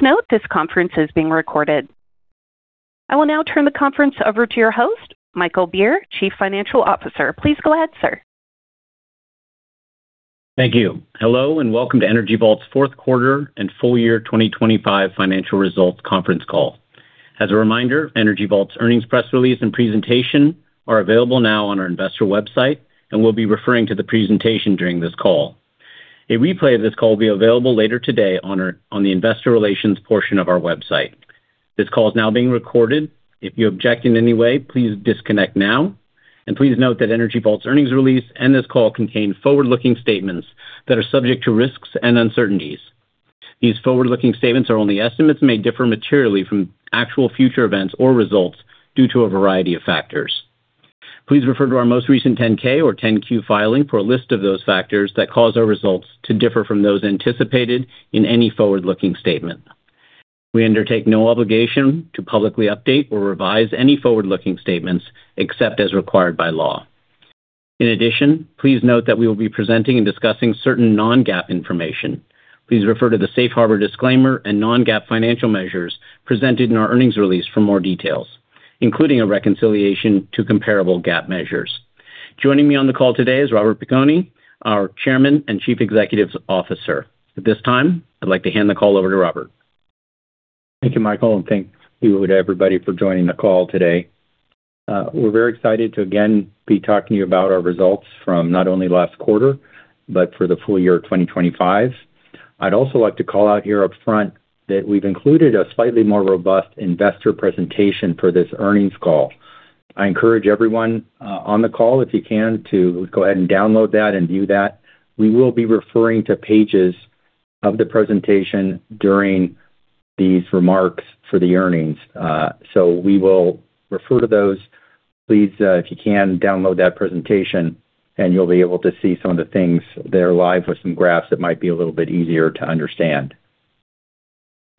Please note this conference is being recorded. I will now turn the conference over to your host, Michael Beer, Chief Financial Officer. Please go ahead, sir. Thank you. Hello, and welcome to Energy Vault's fourth quarter and full year 2025 financial results conference call. As a reminder, Energy Vault's earnings press release and presentation are available now on our investor website, and we'll be referring to the presentation during this call. A replay of this call will be available later today on the investor relations portion of our website. This call is now being recorded. If you object in any way, please disconnect now. Please note that Energy Vault's earnings release and this call contain forward-looking statements that are subject to risks and uncertainties. These forward-looking statements are only estimates and may differ materially from actual future events or results due to a variety of factors. Please refer to our most recent 10-K or 10-Q filing for a list of those factors that cause our results to differ from those anticipated in any forward-looking statement. We undertake no obligation to publicly update or revise any forward-looking statements except as required by law. In addition, please note that we will be presenting and discussing certain non-GAAP information. Please refer to the Safe Harbor Disclaimer and non-GAAP financial measures presented in our earnings release for more details, including a reconciliation to comparable GAAP measures. Joining me on the call today is Robert Piconi, our Chairman and Chief Executive Officer. At this time, I'd like to hand the call over to Robert. Thank you, Michael, and thank you to everybody for joining the call today. We're very excited to again be talking to you about our results from not only last quarter, but for the full year 2025. I'd also like to call out here upfront that we've included a slightly more robust investor presentation for this earnings call. I encourage everyone on the call, if you can, to go ahead and download that and view that. We will be referring to pages of the presentation during these remarks for the earnings. We will refer to those. Please, if you can, download that presentation, and you'll be able to see some of the things there live with some graphs that might be a little bit easier to understand.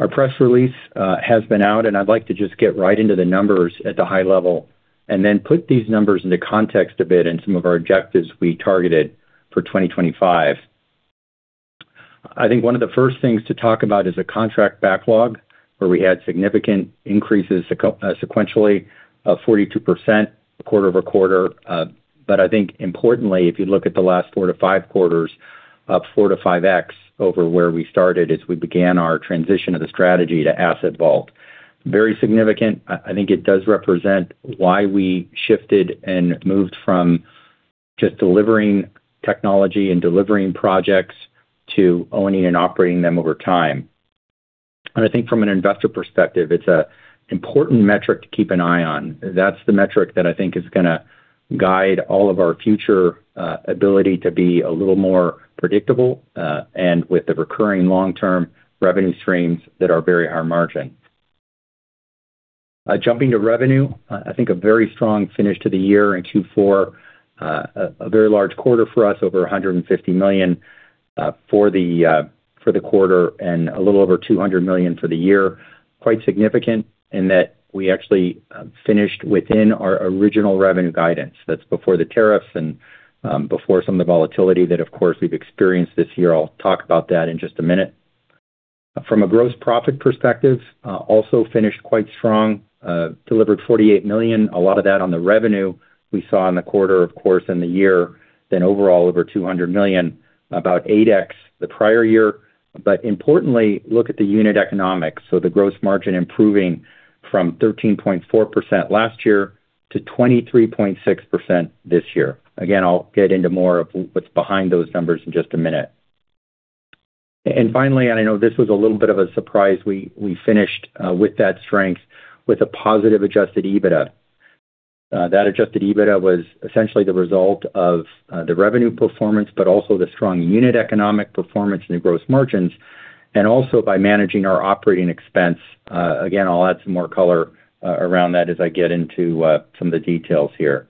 Our press release has been out, and I'd like to just get right into the numbers at the high level and then put these numbers into context a bit and some of our objectives we targeted for 2025. I think one of the first things to talk about is the contract backlog, where we had significant increases sequentially of 42% quarter-over-quarter. But I think importantly, if you look at the last four to five quarters, up 4-5x over where we started as we began our transition of the strategy to Asset Vault. Very significant. I think it does represent why we shifted and moved from just delivering technology and delivering projects to owning and operating them over time. I think from an investor perspective, it's an important metric to keep an eye on. That's the metric that I think is gonna guide all of our future ability to be a little more predictable and with the recurring long-term revenue streams that are very high margin. Jumping to revenue, I think a very strong finish to the year in 2024. A very large quarter for us, over $150 million for the quarter and a little over $200 million for the year. Quite significant in that we actually finished within our original revenue guidance. That's before the tariffs and before some of the volatility that of course we've experienced this year. I'll talk about that in just a minute. From a gross profit perspective, also finished quite strong. Delivered $48 million, a lot of that on the revenue we saw in the quarter, of course, and the year, then overall over $200 million, about 8x the prior year. Importantly, look at the unit economics. The gross margin improving from 13.4% last year to 23.6% this year. Again, I'll get into more of what's behind those numbers in just a minute. Finally, and I know this was a little bit of a surprise, we finished with that strength with a positive adjusted EBITDA. That adjusted EBITDA was essentially the result of the revenue performance, but also the strong unit economic performance in the gross margins, and also by managing our operating expense. Again, I'll add some more color around that as I get into some of the details here.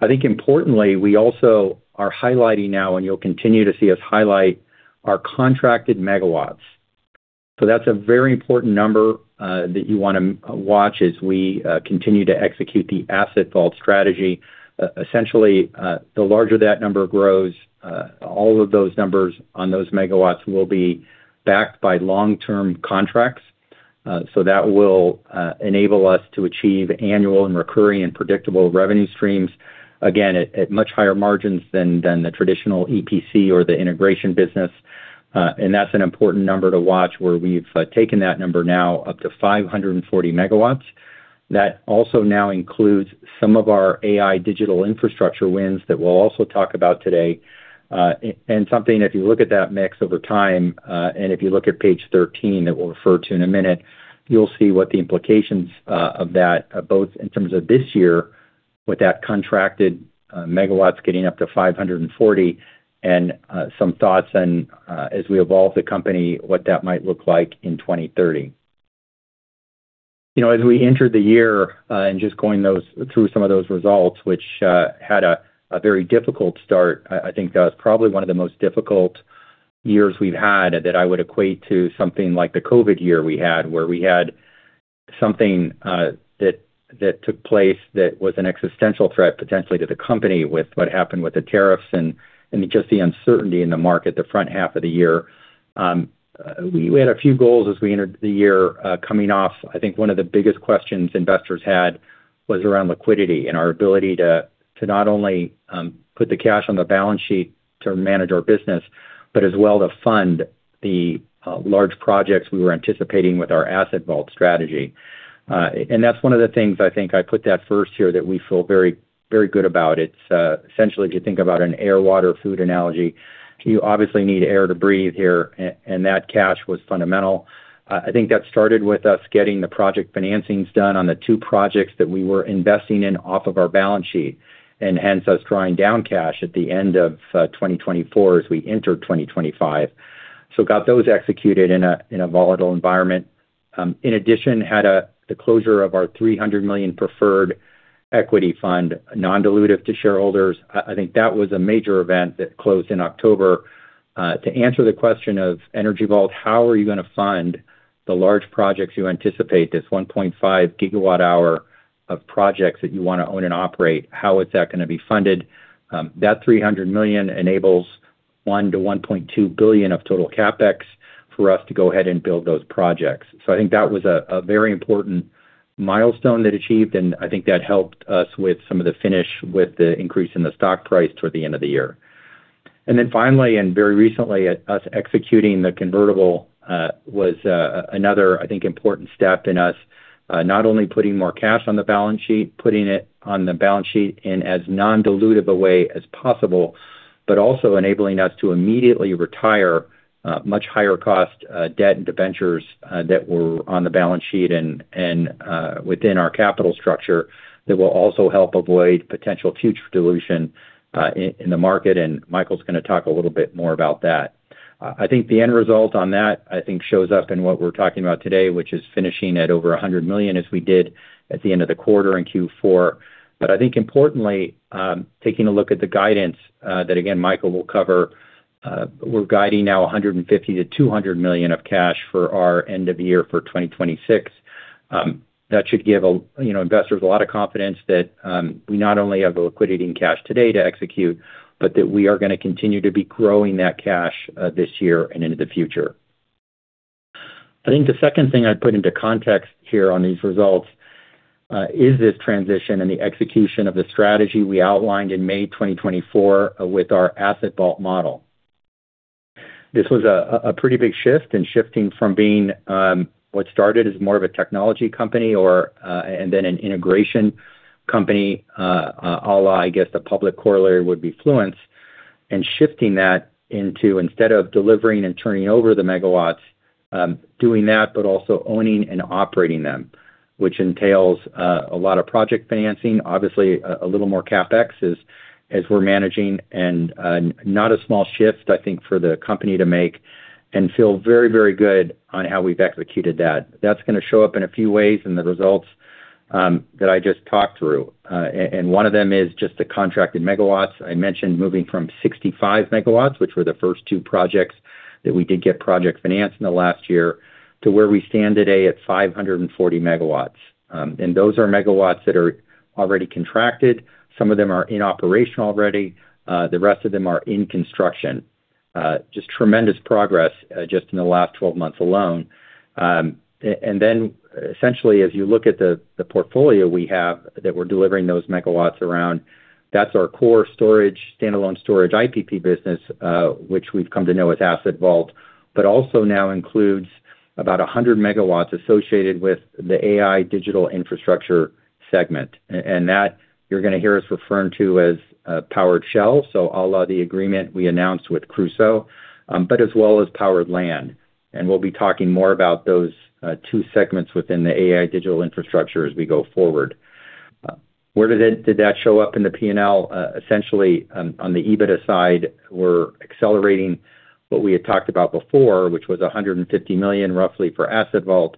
I think importantly, we also are highlighting now, and you'll continue to see us highlight our contracted megawatts. That's a very important number that you wanna watch as we continue to execute the Asset Vault strategy. Essentially, the larger that number grows, all of those numbers on those megawatts will be backed by long-term contracts. That will enable us to achieve annual and recurring and predictable revenue streams, again, at much higher margins than the traditional EPC or the integration business. That's an important number to watch, where we've taken that number now up to 540 MW. That also now includes some of our AI digital infrastructure wins that we'll also talk about today. Something, if you look at that mix over time, and if you look at page 13 that we'll refer to in a minute, you'll see what the implications of that both in terms of this year with that contracted megawatts getting up to 540, and some thoughts on as we evolve the company, what that might look like in 2030. You know, as we entered the year and just going through some of those results, which had a very difficult start, I think that was probably one of the most difficult years we've had that I would equate to something like the COVID year we had, where we had something that took place that was an existential threat potentially to the company with what happened with the tariffs and just the uncertainty in the market the front half of the year. We had a few goals as we entered the year, coming off. I think one of the biggest questions investors had was around liquidity and our ability to not only put the cash on the balance sheet to manage our business, but as well to fund the large projects we were anticipating with our Asset Vault strategy. That's one of the things I think I put that first here that we feel very, very good about. It's essentially, if you think about an air, water, food analogy, you obviously need air to breathe here, and that cash was fundamental. I think that started with us getting the project financings done on the two projects that we were investing in off of our balance sheet, and hence us drawing down cash at the end of 2024 as we entered 2025. Got those executed in a volatile environment. In addition, had the closure of our $300 million preferred equity fund, non-dilutive to shareholders. I think that was a major event that closed in October. To answer the question of Energy Vault, how are you gonna fund the large projects you anticipate, this 1.5 GWh of projects that you wanna own and operate, how is that gonna be funded? That $300 million enables $1 billion-$1.2 billion of total CapEx for us to go ahead and build those projects. I think that was a very important milestone that was achieved, and I think that helped us with some of the financing with the increase in the stock price toward the end of the year. Finally, very recently, us executing the convertible was another, I think, important step in us not only putting more cash on the balance sheet, putting it on the balance sheet in as non-dilutive a way as possible, but also enabling us to immediately retire much higher cost debt and debentures that were on the balance sheet and within our capital structure that will also help avoid potential future dilution in the market. Michael's gonna talk a little bit more about that. I think the end result on that, I think, shows up in what we're talking about today, which is finishing at over $100 million as we did at the end of the quarter in Q4. I think importantly, taking a look at the guidance that again, Michael will cover, we're guiding now $150 million-$200 million of cash for our end of year for 2026. That should give you know, investors a lot of confidence that we not only have the liquidity and cash today to execute, but that we are gonna continue to be growing that cash this year and into the future. I think the second thing I'd put into context here on these results is this transition and the execution of the strategy we outlined in May 2024 with our Asset Vault model. This was a pretty big shift in shifting from being what started as more of a technology company or and then an integration company, a la I guess the public corollary would be Fluence, and shifting that into, instead of delivering and turning over the megawatts, doing that, but also owning and operating them, which entails a lot of project financing, obviously a little more CapEx as we're managing and not a small shift, I think, for the company to make and feel very, very good on how we've executed that. That's gonna show up in a few ways in the results that I just talked through. And one of them is just the contracted megawatts. I mentioned moving from 65 MW, which were the first two projects that we did get project finance in the last year, to where we stand today at 540 MW. Those are MW that are already contracted. Some of them are in operation already. The rest of them are in construction. Just tremendous progress just in the last 12 months alone. Then essentially, as you look at the portfolio we have that we're delivering those MW around, that's our core storage, standalone storage IPP business, which we've come to know as Asset Vault, but also now includes about 100 MW associated with the AI digital infrastructure segment. That you're gonna hear us referring to as Powered Shell. À la the agreement we announced with Crusoe, but as well as Powered Land. We'll be talking more about those two segments within the AI digital infrastructure as we go forward. Where did that show up in the P&L? Essentially on the EBITDA side, we're accelerating what we had talked about before, which was $150 million roughly for Asset Vault.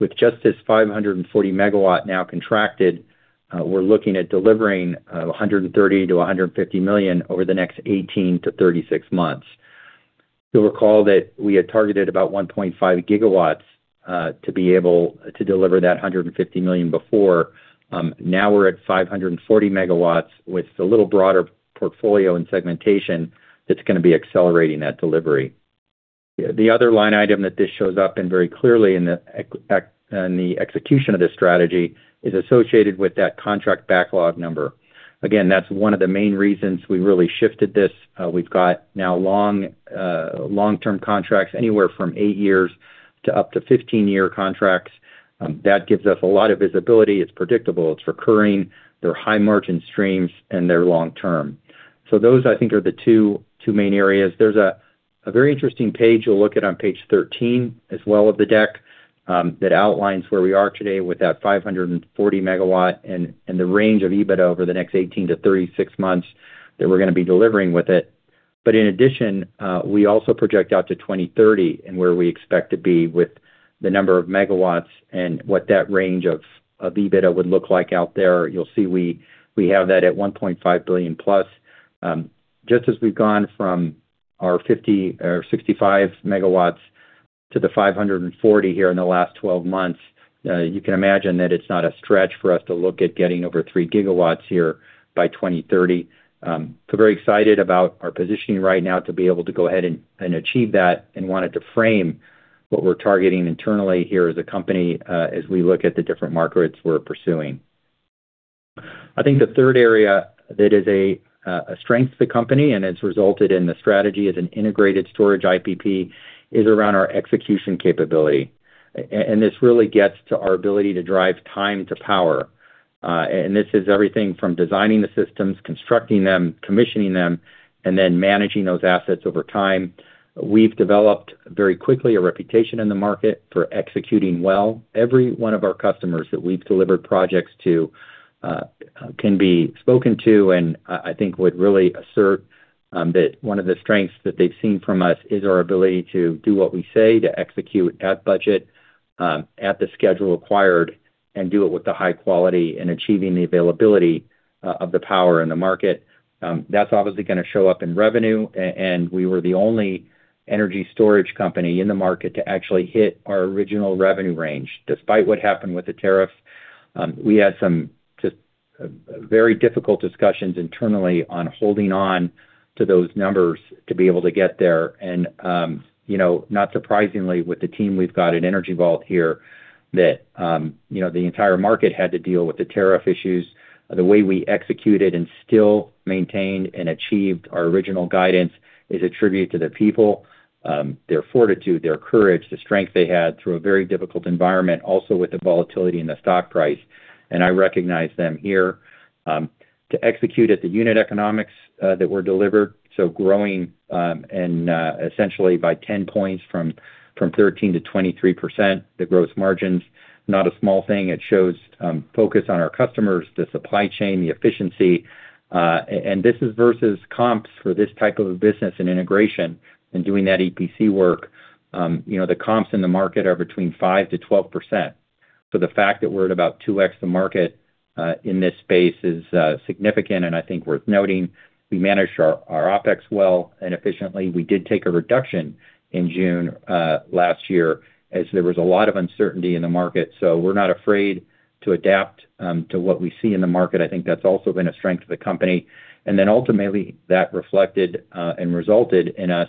With just this 540 MW now contracted, we're looking at delivering $130 million-$150 million over the next 18-36 months. You'll recall that we had targeted about 1.5 GW to be able to deliver that $150 million before. Now we're at 540 MW with a little broader portfolio and segmentation that's gonna be accelerating that delivery. The other line item that this shows up in very clearly in the execution of this strategy is associated with that contract backlog number. Again, that's one of the main reasons we really shifted this. We've got now long-term contracts, anywhere from eight years to up to 15-year contracts. That gives us a lot of visibility. It's predictable, it's recurring, they're high margin streams, and they're long-term. Those, I think, are the two main areas. There's a very interesting page you'll look at on page 13 as well of the deck, that outlines where we are today with that 540 MW and the range of EBITDA over the next 18-36 months that we're gonna be delivering with it. In addition, we also project out to 2030 and where we expect to be with the number of megawatts and what that range of EBITDA would look like out there. You'll see we have that at $1.5 billion+. Just as we've gone from our 50 MW or 65 MW to the 540 MW here in the last 12 months, you can imagine that it's not a stretch for us to look at getting over 3 GW here by 2030. Very excited about our positioning right now to be able to go ahead and achieve that and wanted to frame what we're targeting internally here as a company, as we look at the different markets we're pursuing. I think the third area that is a strength to the company and it's resulted in the strategy as an integrated storage IPP, is around our execution capability. This really gets to our ability to drive time to power. This is everything from designing the systems, constructing them, commissioning them, and then managing those assets over time. We've developed very quickly a reputation in the market for executing well. Every one of our customers that we've delivered projects to can be spoken to, and I think would really assert that one of the strengths that they've seen from us is our ability to do what we say, to execute at budget, at the schedule required, and do it with high quality and achieving the availability of the power in the market. That's obviously gonna show up in revenue. We were the only energy storage company in the market to actually hit our original revenue range, despite what happened with the tariffs. We had some just very difficult discussions internally on holding on to those numbers to be able to get there. You know, not surprisingly, with the team we've got at Energy Vault here that, you know, the entire market had to deal with the tariff issues, the way we executed and still maintained and achieved our original guidance is a tribute to the people, their fortitude, their courage, the strength they had through a very difficult environment, also with the volatility in the stock price. I recognize them here to execute at the unit economics that were delivered, so growing essentially by 10 points from 13%-23%, the gross margins, not a small thing. It shows focus on our customers, the supply chain, the efficiency. This is versus comps for this type of a business and integration and doing that EPC work. You know, the comps in the market are between 5%-12%. The fact that we're at about 2x the market in this space is significant and I think worth noting. We managed our OpEx well and efficiently. We did take a reduction in June last year as there was a lot of uncertainty in the market. We're not afraid to adapt to what we see in the market. I think that's also been a strength of the company. Ultimately, that reflected and resulted in us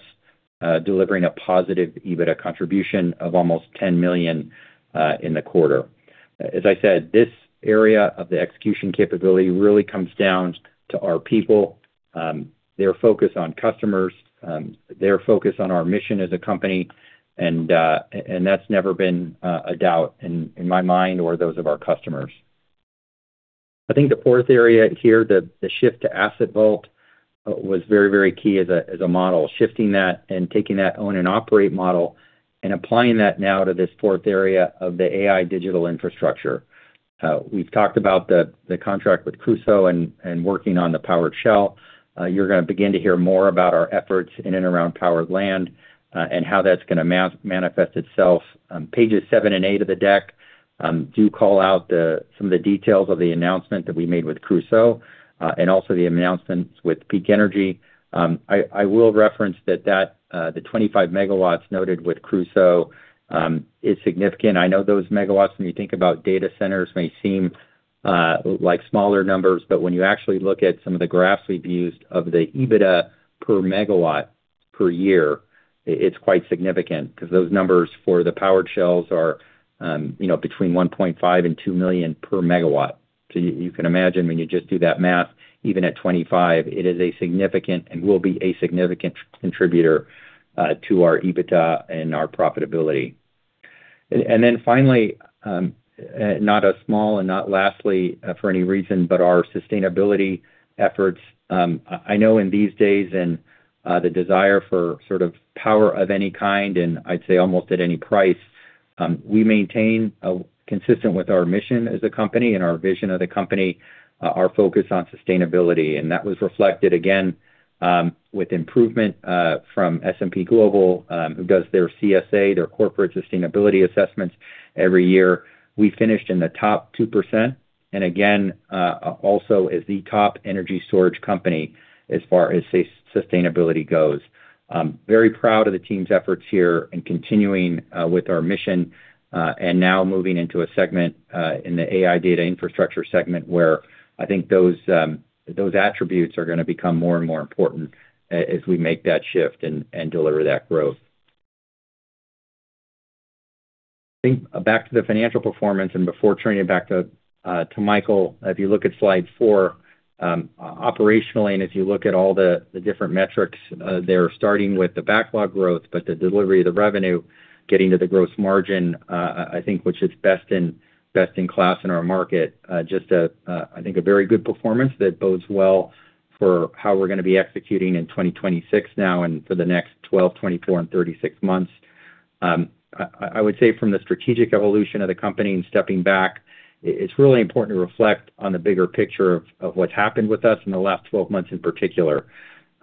delivering a positive EBITDA contribution of almost $10 million in the quarter. As I said, this area of the execution capability really comes down to our people, their focus on customers, their focus on our mission as a company, and that's never been a doubt in my mind or those of our customers. I think the fourth area here, the shift to Asset Vault, was very, very key as a model. Shifting that and taking that own and operate model and applying that now to this fourth area of the AI digital infrastructure. We've talked about the contract with Crusoe and working on the Powered Shell. You're gonna begin to hear more about our efforts in and around Powered Land, and how that's gonna manifest itself. Pages seven and eight of the deck do call out some of the details of the announcement that we made with Crusoe, and also the announcements with Peak Energy. I will reference that the 25 MW noted with Crusoe is significant. I know those megawatts, when you think about data centers, may seem like smaller numbers, but when you actually look at some of the graphs we've used of the EBITDA per megawatt per year, it's quite significant because those numbers for the Powered Shells are, you know, between $1.5 million and $2 million per megawatt. You can imagine when you just do that math, even at 25%, it is a significant and will be a significant contributor to our EBITDA and our profitability. Finally, not small and not lastly for any reason, but our sustainability efforts. I know in these days and the desire for sort of power of any kind, and I'd say almost at any price, we maintain consistent with our mission as a company and our vision of the company our focus on sustainability. That was reflected again with improvement from S&P Global, who does their CSA, their Corporate Sustainability Assessments every year. We finished in the top 2%, and again also as the top energy storage company as far as sustainability goes. Very proud of the team's efforts here in continuing with our mission and now moving into a segment in the AI data infrastructure segment, where I think those attributes are gonna become more and more important as we make that shift and deliver that growth. I think back to the financial performance, and before turning it back to Michael, if you look at slide four, operationally, and if you look at all the different metrics there starting with the backlog growth, but the delivery, the revenue, getting to the gross margin, I think which is best in class in our market, just, I think, a very good performance that bodes well for how we're gonna be executing in 2026 now and for the next 12, 24, and 36 months. I would say from the strategic evolution of the company and stepping back, it's really important to reflect on the bigger picture of what's happened with us in the last 12 months in particular.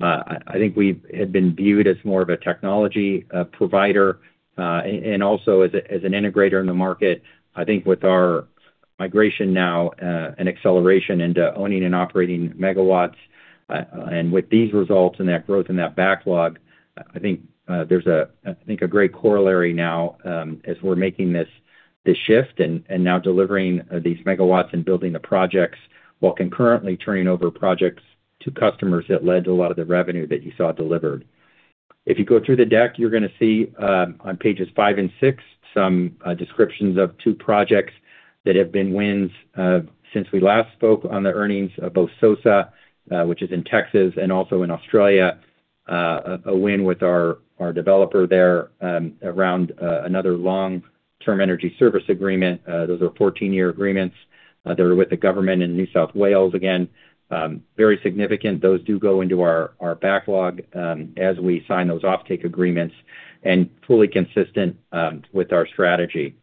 I think we had been viewed as more of a technology provider and also as an integrator in the market. I think with our migration now and acceleration into owning and operating megawatts and with these results and that growth and that backlog, I think there's a great corollary now as we're making this shift and now delivering these megawatts and building the projects while concurrently turning over projects to customers that led to a lot of the revenue that you saw delivered. If you go through the deck, you're gonna see on pages five and six some descriptions of two projects that have been wins since we last spoke on the earnings call both Cross Trails, which is in Texas, and also in Australia. A win with our developer there around another long-term energy service agreement. Those are 14-year agreements. They're with the government in New South Wales. Again, very significant. Those do go into our backlog as we sign those offtake agreements and fully consistent with our strategy.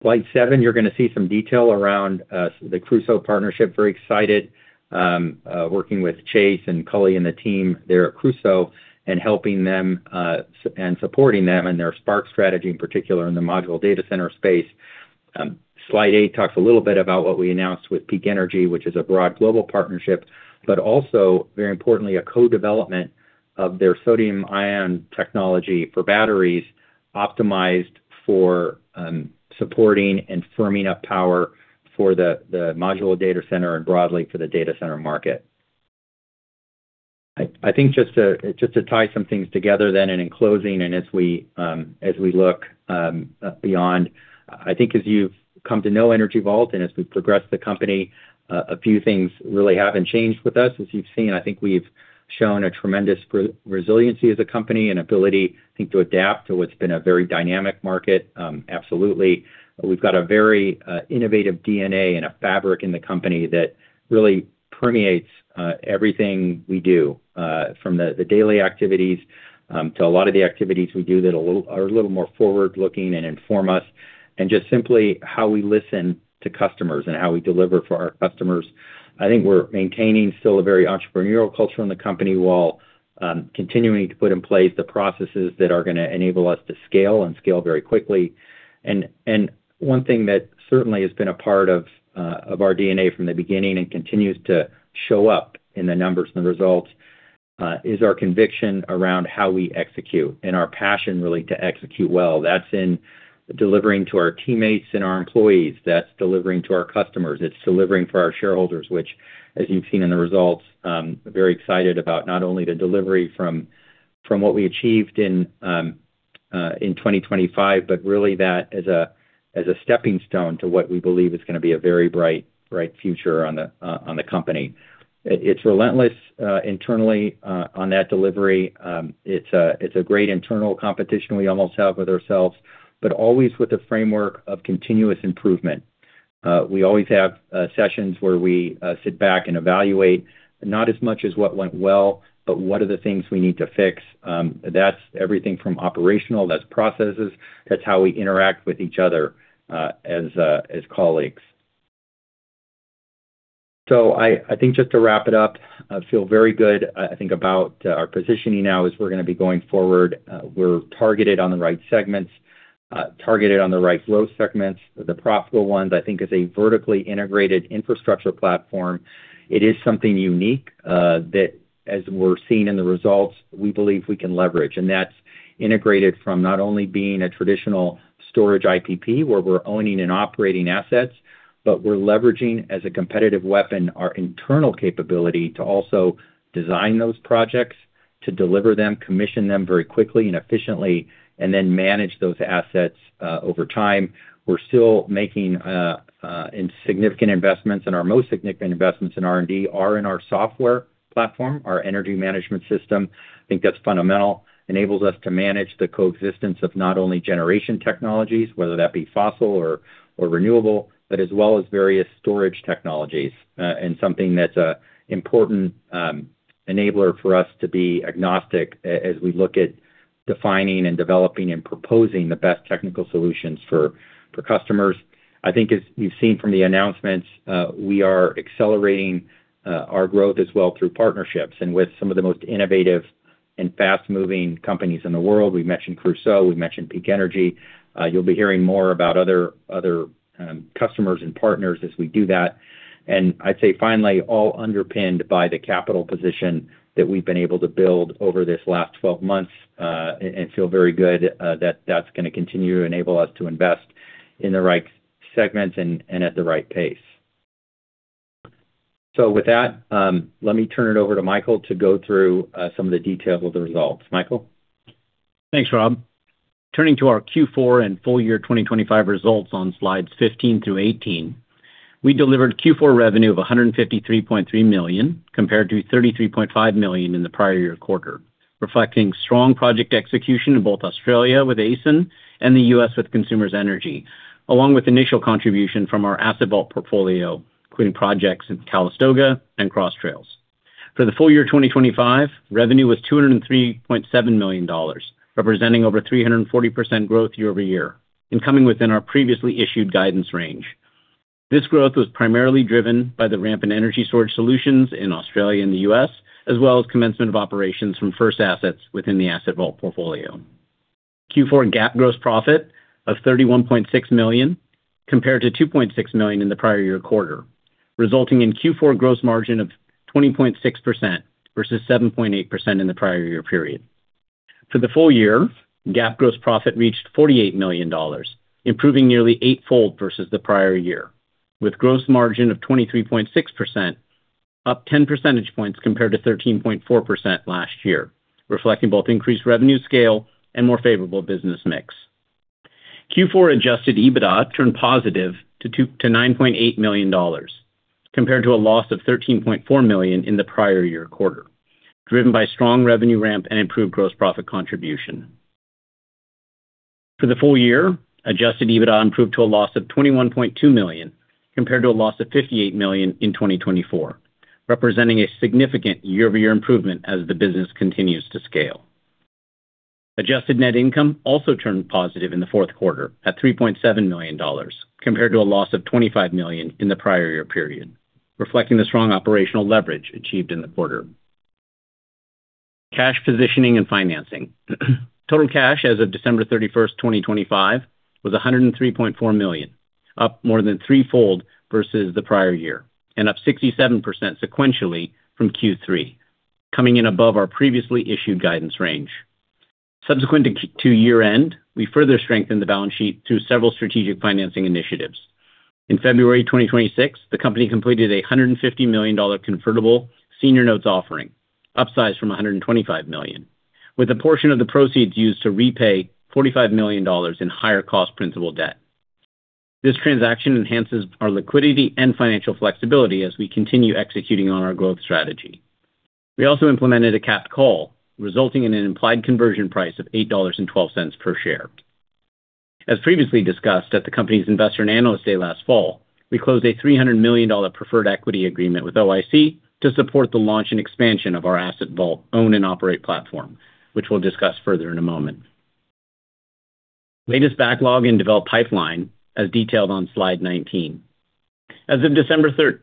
Slide seven, you're gonna see some detail around the Crusoe partnership. Very excited working with Chase and Cully and the team there at Crusoe and helping them and supporting them in their Spark strategy, in particular in the modular data center space. Slide eight talks a little bit about what we announced with Peak Energy, which is a broad global partnership, but also, very importantly, a co-development of their sodium-ion technology for batteries optimized for supporting and firming up power for the modular data center and broadly for the data center market. I think just to tie some things together then and in closing, as we look beyond, I think as you've come to know Energy Vault and as we progress the company, a few things really haven't changed with us. As you've seen, I think we've shown a tremendous resiliency as a company and ability, I think, to adapt to what's been a very dynamic market. Absolutely. We've got a very innovative DNA and a fabric in the company that really permeates everything we do from the daily activities to a lot of the activities we do that are a little more forward-looking and inform us. Just simply how we listen to customers and how we deliver for our customers. I think we're maintaining still a very entrepreneurial culture in the company while continuing to put in place the processes that are gonna enable us to scale and scale very quickly. One thing that certainly has been a part of our DNA from the beginning and continues to show up in the numbers and the results is our conviction around how we execute and our passion really to execute well. That's in delivering to our teammates and our employees. That's delivering to our customers. It's delivering for our shareholders, which, as you've seen in the results, very excited about not only the delivery from what we achieved in 2025, but really that as a stepping stone to what we believe is gonna be a very bright future on the company. It's relentless internally on that delivery. It's a great internal competition we almost have with ourselves, but always with the framework of continuous improvement. We always have sessions where we sit back and evaluate not as much as what went well, but what are the things we need to fix. That's everything from operational. That's processes. That's how we interact with each other as colleagues. I think just to wrap it up, I feel very good, I think, about our positioning now as we're gonna be going forward. We're targeted on the right segments targeted on the right flow segments, the profitable ones. I think as a vertically integrated infrastructure platform, it is something unique that as we're seeing in the results, we believe we can leverage. That's integrated from not only being a traditional storage IPP, where we're owning and operating assets, but we're leveraging, as a competitive weapon, our internal capability to also design those projects, to deliver them, commission them very quickly and efficiently, and then manage those assets over time. We're still making significant investments, and our most significant investments in R&D are in our software platform, our energy management system. I think that's fundamental. Enables us to manage the coexistence of not only generation technologies, whether that be fossil or renewable, but as well as various storage technologies, and something that's an important enabler for us to be agnostic as we look at defining and developing and proposing the best technical solutions for customers. I think as you've seen from the announcements, we are accelerating our growth as well through partnerships and with some of the most innovative and fast-moving companies in the world. We've mentioned Crusoe, we've mentioned Peak Energy. You'll be hearing more about other customers and partners as we do that. I'd say finally, all underpinned by the capital position that we've been able to build over this last 12 months, and feel very good that that's gonna continue to enable us to invest in the right segments and at the right pace. With that, let me turn it over to Michael to go through some of the details of the results. Michael? Thanks, Rob. Turning to our Q4 and full year 2025 results on slides 15 to 18. We delivered Q4 revenue of $153.3 million, compared to $33.5 million in the prior year quarter, reflecting strong project execution in both Australia with ACEN and the U.S. with Consumers Energy, along with initial contribution from our Asset Vault portfolio, including projects in Calistoga and Cross Trails. For the full year 2025, revenue was $203.7 million, representing over 340% growth year-over-year and coming within our previously issued guidance range. This growth was primarily driven by the ramp in energy storage solutions in Australia and the U.S., as well as commencement of operations from first assets within the Asset Vault portfolio. Q4 GAAP gross profit of $31.6 million, compared to $2.6 million in the prior year quarter, resulting in Q4 gross margin of 20.6% versus 7.8% in the prior year period. For the full year, GAAP gross profit reached $48 million, improving nearly eight-fold versus the prior year, with gross margin of 23.6%, up 10 percentage points compared to 13.4% last year, reflecting both increased revenue scale and more favorable business mix. Q4 adjusted EBITDA turned positive to $9.8 million, compared to a loss of $13.4 million in the prior year quarter, driven by strong revenue ramp and improved gross profit contribution. For the full year, adjusted EBITDA improved to a loss of $21.2 million, compared to a loss of $58 million in 2024, representing a significant year-over-year improvement as the business continues to scale. Adjusted net income also turned positive in the fourth quarter at $3.7 million, compared to a loss of $25 million in the prior year period, reflecting the strong operational leverage achieved in the quarter. Cash positioning and financing. Total cash as of December 31st, 2025 was $103.4 million, up more than three-fold versus the prior year and up 67% sequentially from Q3, coming in above our previously issued guidance range. Subsequent to year-end, we further strengthened the balance sheet through several strategic financing initiatives. In February 2026, the company completed a $150 million convertible senior notes offering, upsized from $125 million, with a portion of the proceeds used to repay $45 million in higher cost principal debt. This transaction enhances our liquidity and financial flexibility as we continue executing on our growth strategy. We also implemented a capped call, resulting in an implied conversion price of $8.12 per share. As previously discussed at the company's investor and analyst day last fall, we closed a $300 million preferred equity agreement with OIC to support the launch and expansion of our Asset Vault own and operate platform, which we'll discuss further in a moment. Latest backlog in developed pipeline, as detailed on slide 19. As of December 31st,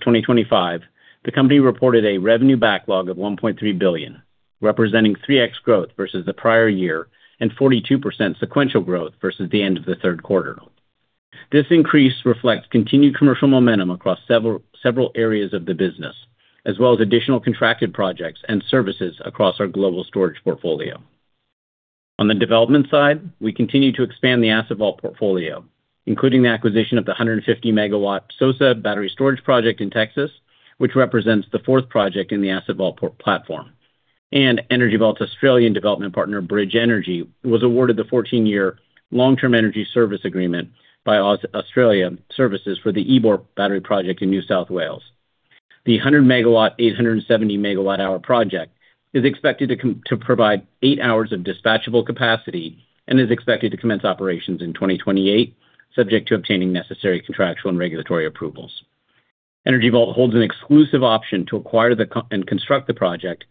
2025, the company reported a revenue backlog of $1.3 billion, representing 3x growth versus the prior year and 42% sequential growth versus the end of the third quarter. This increase reflects continued commercial momentum across several areas of the business, as well as additional contracted projects and services across our global storage portfolio. On the development side, we continue to expand the Asset Vault portfolio, including the acquisition of the 150 MW SOSA Battery Storage project in Texas, which represents the fourth project in the Asset Vault platform. Energy Vault's Australian development partner, Bridge Energy, was awarded the 14-year long-term energy service agreement by Australian services for the Ebor battery project in New South Wales. The 100 MW, 870 MWh project is expected to provide eight hours of dispatchable capacity and is expected to commence operations in 2028, subject to obtaining necessary contractual and regulatory approvals. Energy Vault holds an exclusive option to acquire and construct the project,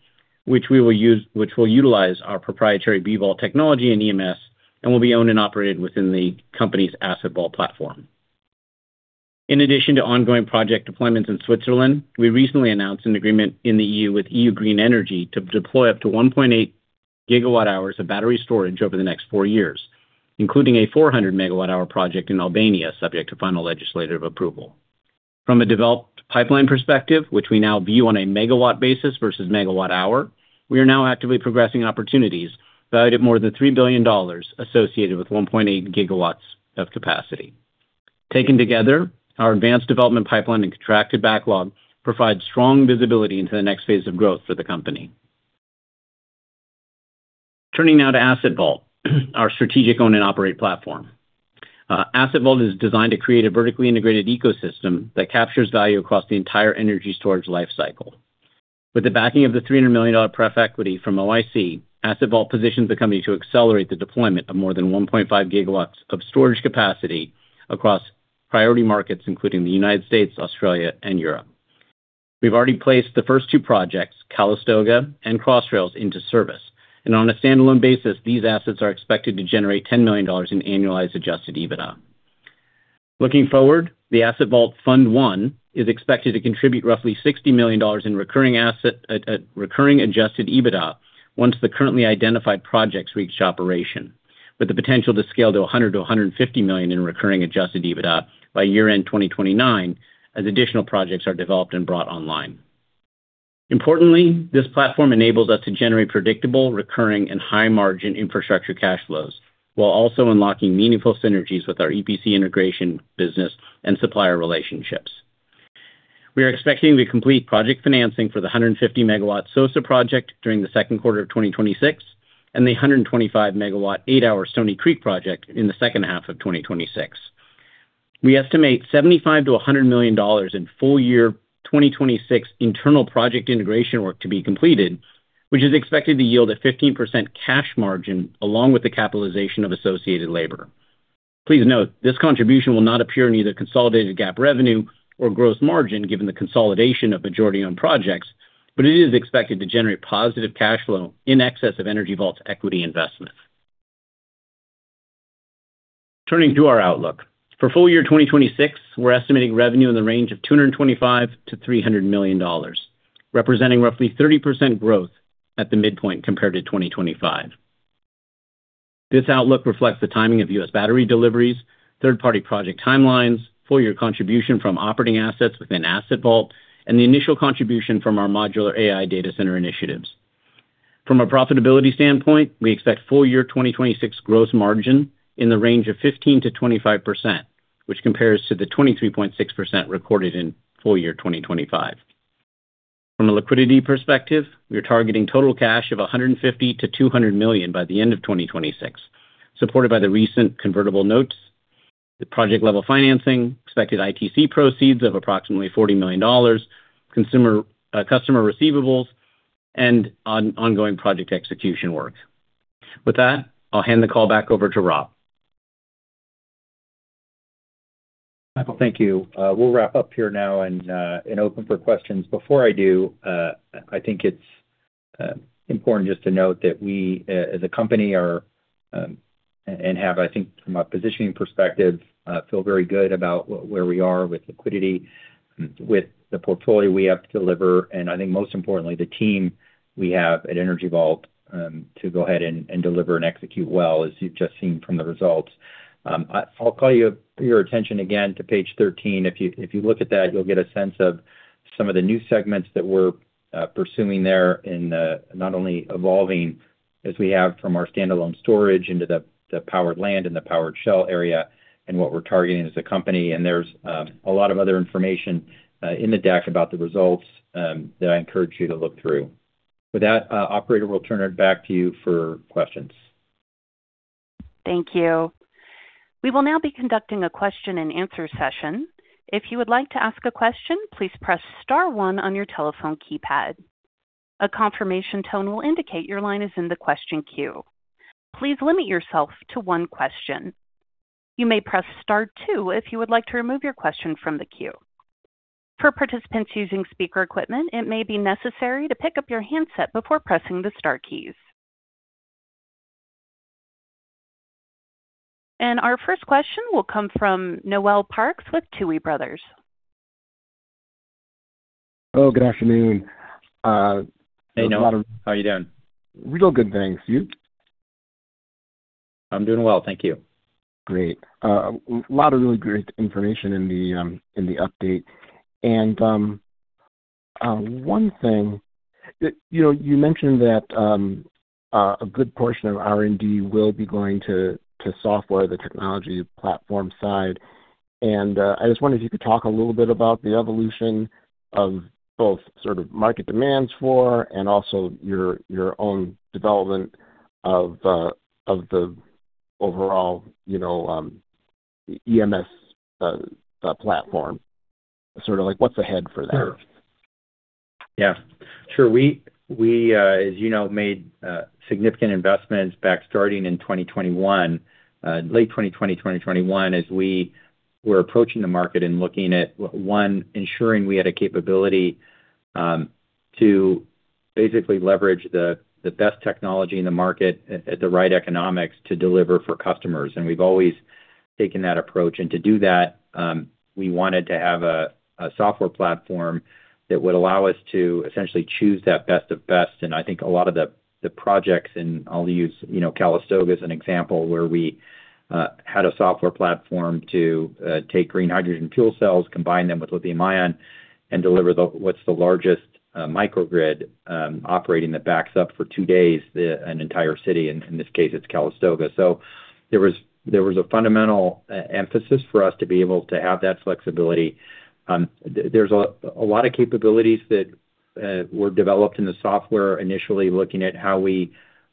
which will utilize our proprietary B-VAULT technology and EMS and will be owned and operated within the company's Asset Vault platform. In addition to ongoing project deployments in Switzerland, we recently announced an agreement in the EU with EU Green Energy to deploy up to 1.8 GWh of battery storage over the next four years, including a 400 MWh project in Albania, subject to final legislative approval. From a developed pipeline perspective, which we now view on a megawatt basis versus megawatt-hour, we are now actively progressing opportunities valued at more than $3 billion associated with 1.8 GW of capacity. Taken together, our advanced development pipeline and contracted backlog provide strong visibility into the next phase of growth for the company. Turning now to Asset Vault, our strategic own and operate platform. Asset Vault is designed to create a vertically integrated ecosystem that captures value across the entire energy storage life cycle. With the backing of the $300 million preferred equity from OIC, Asset Vault positions the company to accelerate the deployment of more than 1.5 GW of storage capacity across priority markets, including the United States, Australia, and Europe. We've already placed the first two projects, Calistoga and Cross Trails, into service. On a standalone basis, these assets are expected to generate $10 million in annualized adjusted EBITDA. Looking forward, the Asset Vault Fund 1 is expected to contribute roughly $60 million in recurring adjusted EBITDA once the currently identified projects reach operation, with the potential to scale to $100 million-$150 million in recurring adjusted EBITDA by year-end 2029 as additional projects are developed and brought online. Importantly, this platform enables us to generate predictable, recurring, and high-margin infrastructure cash flows while also unlocking meaningful synergies with our EPC integration business and supplier relationships. We are expecting to complete project financing for the 150-MW SOSA project during the second quarter of 2026 and the 125-MW eight-hour Stoney Creek project in the second half of 2026. We estimate $75 million-$100 million in full year 2026 internal project integration work to be completed, which is expected to yield a 15% cash margin along with the capitalization of associated labor. Please note this contribution will not appear in either consolidated GAAP revenue or gross margin given the consolidation of majority-owned projects, but it is expected to generate positive cash flow in excess of Energy Vault's equity investment. Turning to our outlook. For full year 2026, we're estimating revenue in the range of $225 million-$300 million, representing roughly 30% growth at the midpoint compared to 2025. This outlook reflects the timing of U.S. battery deliveries, third-party project timelines, full year contribution from operating assets within Asset Vault, and the initial contribution from our modular AI data center initiatives. From a profitability standpoint, we expect full year 2026 gross margin in the range of 15%-25%, which compares to the 23.6% recorded in full year 2025. From a liquidity perspective, we are targeting total cash of $150 million-$200 million by the end of 2026, supported by the recent convertible notes, the project level financing, expected ITC proceeds of approximately $40 million, customer receivables, and ongoing project execution work. With that, I'll hand the call back over to Rob. Michael, thank you. We'll wrap up here now and open for questions. Before I do, I think it's important just to note that we as a company are and have, I think from a positioning perspective, feel very good about where we are with liquidity, with the portfolio we have to deliver, and I think most importantly, the team we have at Energy Vault to go ahead and deliver and execute well as you've just seen from the results. I'll call your attention again to page 13. If you look at that, you'll get a sense of some of the new segments that we're pursuing there in not only evolving as we have from our standalone storage into the Powered Land and the Powered Shell area and what we're targeting as a company. There's a lot of other information in the deck about the results that I encourage you to look through. With that, operator, we'll turn it back to you for questions. Thank you. We will now be conducting a question and answer session. If you would like to ask a question, please press star one on your telephone keypad. A confirmation tone will indicate your line is in the question queue. Please limit yourself to one question. You may press star two if you would like to remove your question from the queue. For participants using speaker equipment, it may be necessary to pick up your handset before pressing the star keys. Our first question will come from Noel Parks with Tuohy Brothers. Hello, good afternoon. There's a lot of- Hey, Noel. How are you doing? Real good, thanks. You? I'm doing well. Thank you. Great. A lot of really great information in the update. One thing that you know you mentioned that a good portion of R&D will be going to software, the technology platform side. I just wondered if you could talk a little bit about the evolution of both sort of market demands for and also your own development of the overall you know EMS platform. Sort of like what's ahead for that? Sure. Yeah, sure. We as you know made significant investments back starting in late 2020, 2021, as we were approaching the market and looking at one, ensuring we had a capability to basically leverage the best technology in the market at the right economics to deliver for customers. We've always taken that approach. To do that, we wanted to have a software platform that would allow us to essentially choose the best of the best. I think a lot of the projects, and I'll use, you know, Calistoga as an example, where we had a software platform to take green hydrogen fuel cells, combine them with lithium-ion, and deliver what's the largest microgrid operating that backs up for two days an entire city, in this case, it's Calistoga. There was a fundamental emphasis for us to be able to have that flexibility. There's a lot of capabilities that were developed in the software initially looking at how we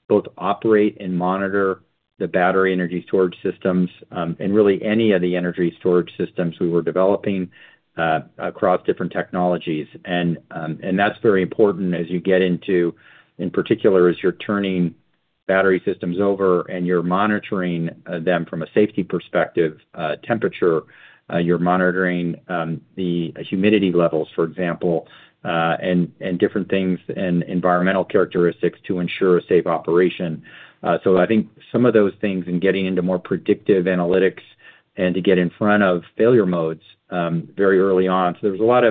both operate and monitor the battery energy storage systems, and really any of the energy storage systems we were developing across different technologies. That's very important as you get into, in particular, as you're turning battery systems over and you're monitoring them from a safety perspective, temperature, you're monitoring the humidity levels, for example, and different things and environmental characteristics to ensure a safe operation. I think some of those things and getting into more predictive analytics and to get in front of failure modes very early on. There was a lot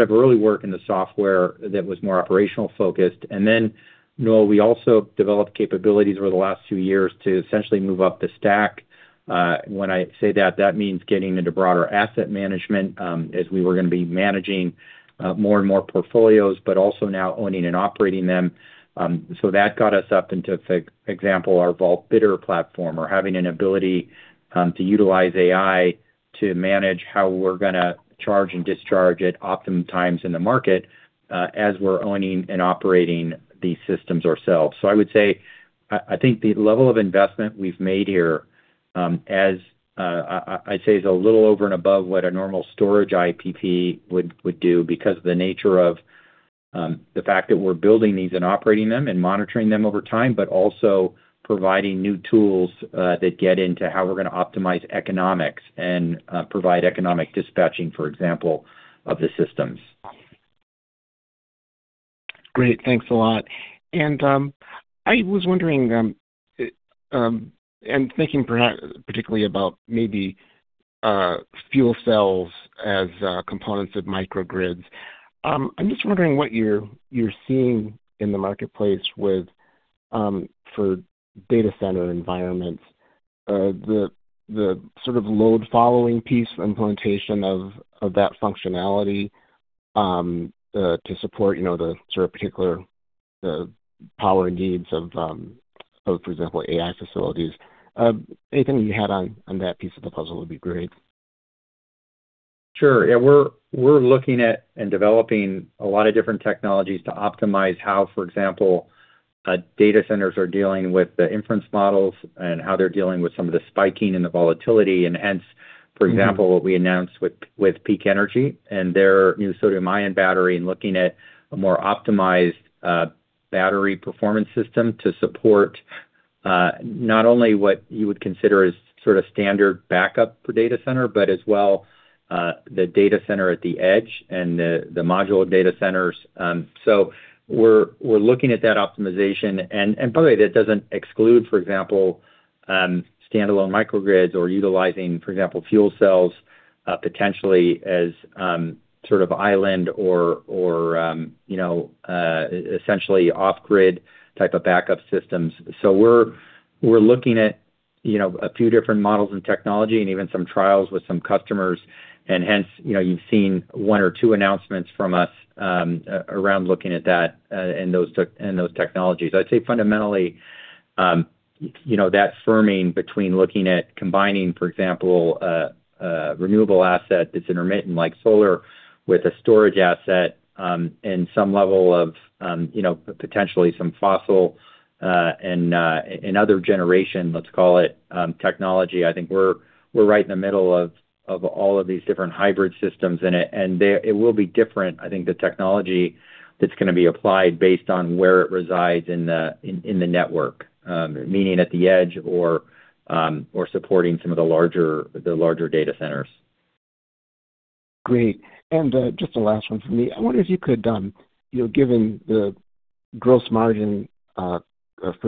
of early work in the software that was more operational focused. Noel, we also developed capabilities over the last two years to essentially move up the stack. When I say that means getting into broader asset management as we were gonna be managing more and more portfolios, but also now owning and operating them. That got us up into, for example, our Vault-Bidder platform or having an ability to utilize AI to manage how we're gonna charge and discharge at optimum times in the market, as we're owning and operating these systems ourselves. I would say I think the level of investment we've made here, as I'd say, is a little over and above what a normal storage IPP would do because of the nature of the fact that we're building these and operating them and monitoring them over time, but also providing new tools that get into how we're gonna optimize economics and provide economic dispatching, for example, of the systems. Great. Thanks a lot. I was wondering and thinking perhaps particularly about maybe fuel cells as components of microgrids. I'm just wondering what you're seeing in the marketplace with for data center environments? The sort of load following piece implementation of that functionality to support, you know, the sort of particular the power needs of, for example, AI facilities. Anything you had on that piece of the puzzle would be great. Sure. Yeah, we're looking at and developing a lot of different technologies to optimize how, for example, data centers are dealing with the inference models and how they're dealing with some of the spiking and the volatility, and hence- Mm-hmm. For example, what we announced with Peak Energy and their new sodium-ion battery and looking at a more optimized battery performance system to support not only what you would consider as sort of standard backup for data center, but as well the data center at the edge and the modular data centers. We're looking at that optimization. By the way, that doesn't exclude, for example, standalone microgrids or utilizing, for example, fuel cells potentially as sort of island or essentially off-grid type of backup systems. We're looking at a few different models and technology and even some trials with some customers and hence you've seen one or two announcements from us around looking at that and those technologies. I'd say fundamentally, you know, that firming between looking at combining, for example, a renewable asset that's intermittent, like solar, with a storage asset, and some level of, you know, potentially some fossil, and other generation, let's call it, technology. I think we're right in the middle of all of these different hybrid systems, and it will be different, I think the technology that's gonna be applied based on where it resides in the network, meaning at the edge or supporting some of the larger data centers. Great. Just the last one from me. I wonder if you could, you know, given the gross margin for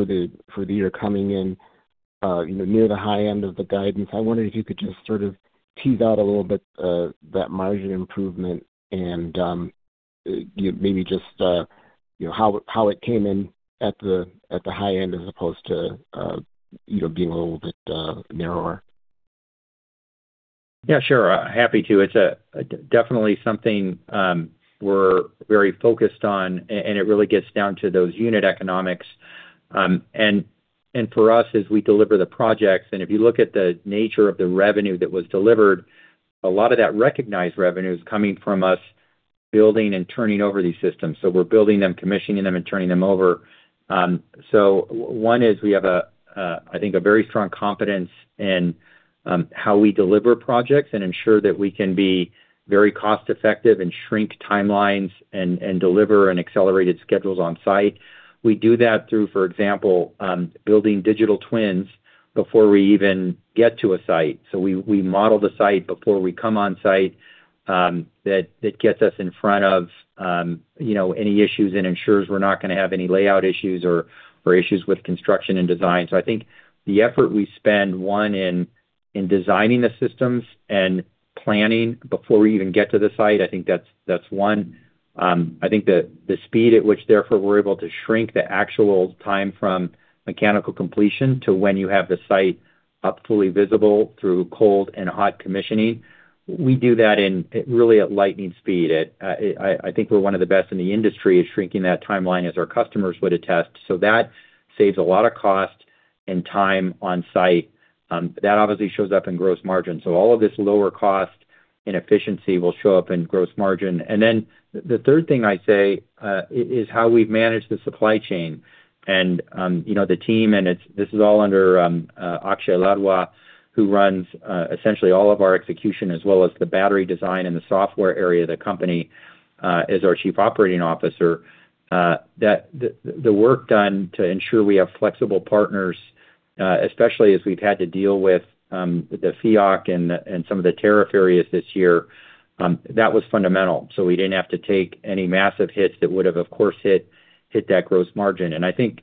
the year coming in, you know, near the high end of the guidance, I wondered if you could just sort of tease out a little bit that margin improvement and give maybe just, you know, how it came in at the high end as opposed to, you know, being a little bit narrower? Yeah, sure. Happy to. It's definitely something we're very focused on and it really gets down to those unit economics. For us, as we deliver the projects, and if you look at the nature of the revenue that was delivered, a lot of that recognized revenue is coming from us building and turning over these systems. We're building them, commissioning them, and turning them over. One is we have, I think, a very strong confidence in how we deliver projects and ensure that we can be very cost-effective and shrink timelines and deliver on accelerated schedules on site. We do that through, for example, building digital twins before we even get to a site. We model the site before we come on site, that gets us in front of you know any issues and ensures we're not gonna have any layout issues or issues with construction and design. I think the effort we spend, one, in designing the systems and planning before we even get to the site. I think that's one. I think the speed at which therefore we're able to shrink the actual time from mechanical completion to when you have the site up fully visible through cold and hot commissioning. We do that really at lightning speed. I think we're one of the best in the industry at shrinking that timeline as our customers would attest. That saves a lot of cost and time on site, that obviously shows up in gross margin. All of this lower cost and efficiency will show up in gross margin. The third thing I'd say is how we've managed the supply chain and, you know, the team, and it's all under Akshay Ladwa, who runs essentially all of our execution as well as the battery design and the software area of the company, as our Chief Operating Officer. That the work done to ensure we have flexible partners, especially as we've had to deal with the FEOC and some of the tariff areas this year, that was fundamental. We didn't have to take any massive hits that would have, of course, hit that gross margin. I think,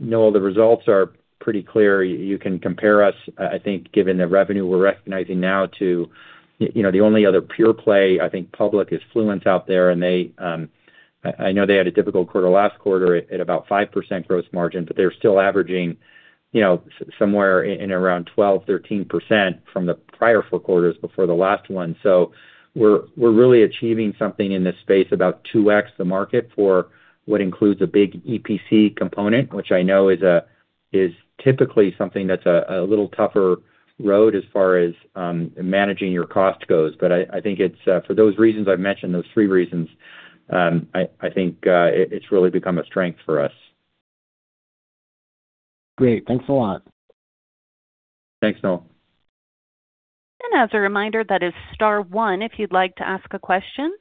Noel, the results are pretty clear. You can compare us, I think given the revenue we're recognizing now to, you know, the only other pure play, I think public is Fluence out there, and they I know they had a difficult quarter last quarter at about 5% gross margin, but they're still averaging, you know, somewhere in and around 12%-13% from the prior four quarters before the last one. We're really achieving something in this space about 2x the market for what includes a big EPC component, which I know is typically something that's a little tougher road as far as managing your cost goes. But I think it's for those reasons I've mentioned, those three reasons, I think it's really become a strength for us. Great. Thanks a lot. Thanks, Noel. As a reminder, that is star one, if you'd like to ask a question.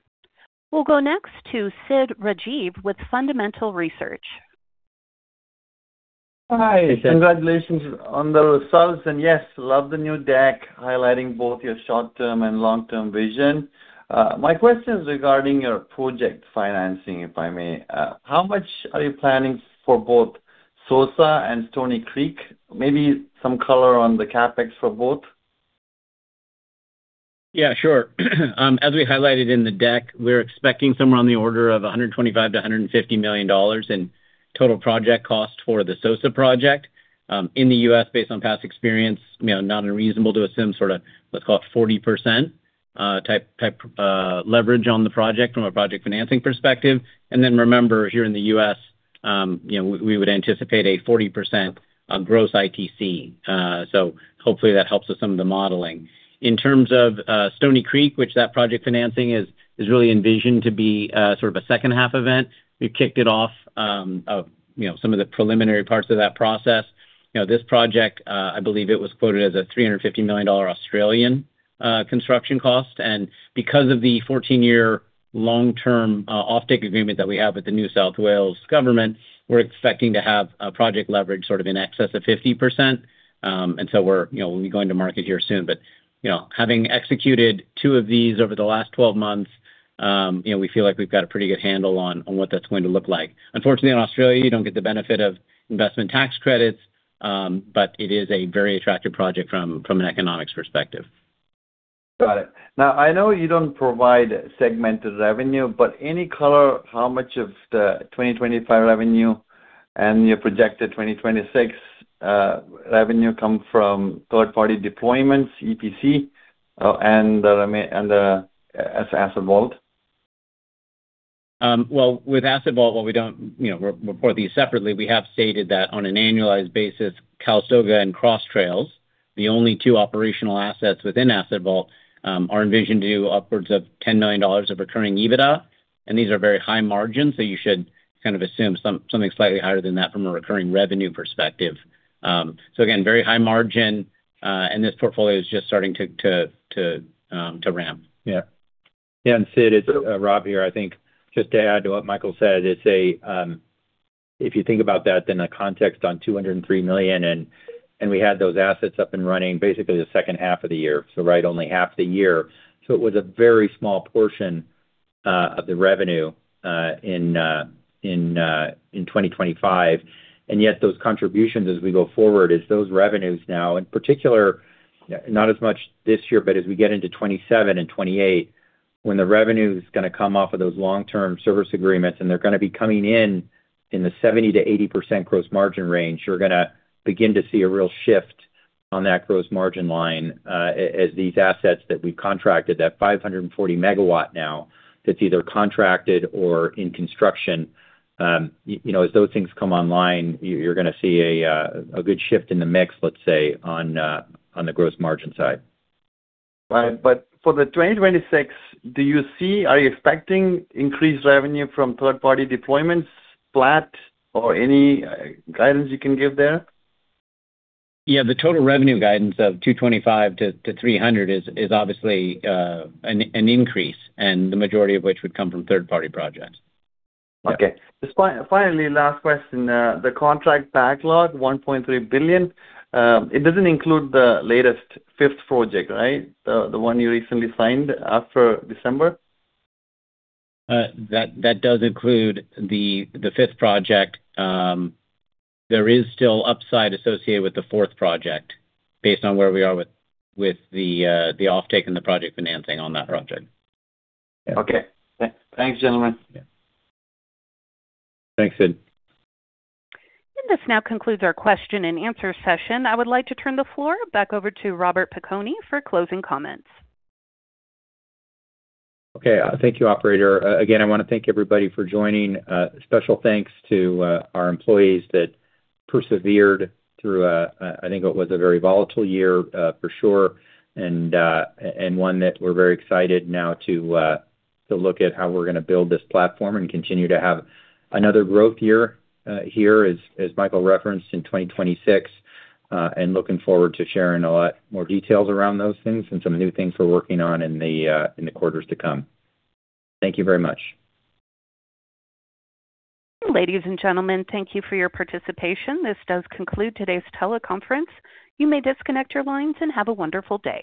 We'll go next to Sid Rajeev with Fundamental Research. Hi. Hey, Sid. Congratulations on the results. Yes, love the new deck highlighting both your short-term and long-term vision. My question is regarding your project financing, if I may. How much are you planning for both SOSA and Stoney Creek? Maybe some color on the CapEx for both. Yeah, sure. As we highlighted in the deck, we're expecting somewhere on the order of $125 million-$150 million in total project cost for the SOSA project. In the U.S., based on past experience, you know, not unreasonable to assume sort of, let's call it 40% type leverage on the project from a project financing perspective. Then remember, here in the U.S., you know, we would anticipate a 40% gross ITC. So hopefully that helps with some of the modeling. In terms of Stoney Creek, which that project financing is really envisioned to be sort of a second half event. We've kicked it off, you know, some of the preliminary parts of that process. You know, this project, I believe it was quoted as 350 million Australian dollars construction cost. Because of the 14-year long-term offtake agreement that we have with the New South Wales government, we're expecting to have a project leverage sort of in excess of 50%. We're, you know, we'll be going to market here soon. You know, having executed two of these over the last 12 months, you know, we feel like we've got a pretty good handle on what that's going to look like. Unfortunately, in Australia, you don't get the benefit of investment tax credits, it is a very attractive project from an economics perspective. Got it. Now I know you don't provide segmented revenue, but any color how much of the 2025 revenue and your projected 2026 revenue come from third-party deployments, EPC, and the remainder as Asset Vault? With Asset Vault, while we don't, you know, re-report these separately, we have stated that on an annualized basis, Calistoga and Cross Trails, the only two operational assets within Asset Vault, are envisioned to upwards of $10 million of recurring EBITDA. These are very high margins, so you should kind of assume something slightly higher than that from a recurring revenue perspective. Again, very high margin, and this portfolio is just starting to ramp. Yeah. Yeah. Sid, it's Rob here. I think just to add to what Michael said, it's if you think about that in the context of $203 million, and we had those assets up and running basically the second half of the year, so right only half the year. It was a very small portion of the revenue in 2025. Those contributions as we go forward is those revenues now, in particular, not as much this year, but as we get into 2027 and 2028, when the revenue is gonna come off of those long-term service agreements and they're gonna be coming in in the 70%-80% gross margin range, you're gonna begin to see a real shift on that gross margin line, as these assets that we've contracted, that 540 MW now that's either contracted or in construction. You know, as those things come online, you're gonna see a good shift in the mix, let's say, on the gross margin side. Right. For 2026, are you expecting increased revenue from third-party deployments, flat, or any guidance you can give there? Yeah. The total revenue guidance of $225-$300 is obviously an increase, and the majority of which would come from third-party projects. Okay. Just finally, last question. The contract backlog, $1.3 billion, it doesn't include the latest fifth project, right? The one you recently signed after December? That does include the fifth project. There is still upside associated with the fourth project based on where we are with the offtake and the project financing on that project. Okay. Thanks, gentlemen. Yeah. Thanks, Sid. This now concludes our question and answer session. I would like to turn the floor back over to Robert Piconi for closing comments. Okay. Thank you, operator. Again, I want to thank everybody for joining. Special thanks to our employees that persevered through, I think, what was a very volatile year, for sure, and one that we're very excited now to look at how we're going to build this platform and continue to have another growth year here, as Michael referenced in 2026. Looking forward to sharing a lot more details around those things and some new things we're working on in the quarters to come. Thank you very much. Ladies and gentlemen, thank you for your participation. This does conclude today's teleconference. You may disconnect your lines, and have a wonderful day.